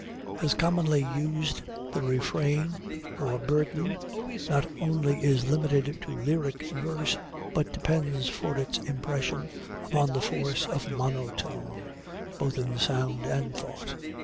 As commonly used, the refrain, or burden, not only is limited to lyric verse, but depends for its impression upon the force of monotone both in sound and thought.